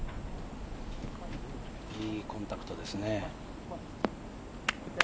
いいコンパクトですね。